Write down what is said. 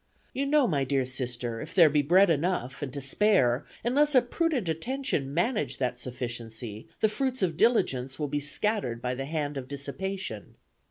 You know, my dear sister, if there be bread enough, and to spare, unless a prudent attention manage that sufficiency, the fruits of diligence will be scattered by the hand of dissipation.